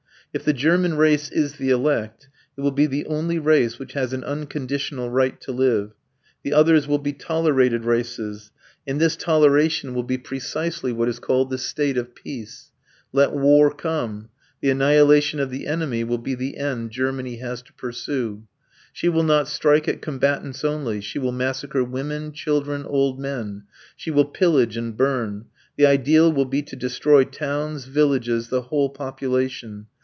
If the German race is the elect, it will be the only race which has an unconditional right to live; the others will be tolerated races, and this toleration will be precisely what is called "the state of peace." Let war come; the annihilation of the enemy will be the end Germany has to pursue. She will not strike at combatants only; she will massacre women, children, old men; she will pillage and burn; the ideal will be to destroy towns, villages, the whole population.